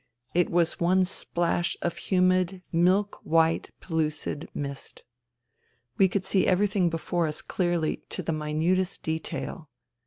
It was one splash of humid, milk white, pellucid mist. We could see everything before us clearly to the minutest detail.